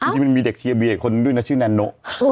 จริงมันมีเด็กเชียร์เบียร์อีกคนด้วยนะชื่อแนโน